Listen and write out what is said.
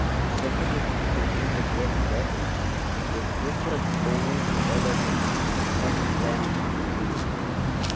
Executive Producer Jack Webb bot Richard Boone die Rolle des Hec Ramsey persönlich an.